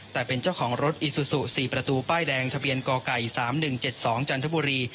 แต่เป็นเจ้าของรถอีซูซู๔ประตูป้ายแดงทะเบียนกไก่๓๑๗๒จันทบุรี